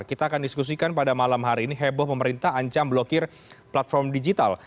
kita akan diskusikan pada malam hari ini heboh pemerintah ancam blokir platform digital